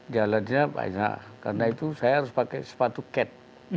jalannya banyak karena itu saya harus pakai sepatu cat